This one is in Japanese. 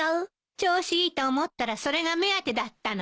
調子いいと思ったらそれが目当てだったのね。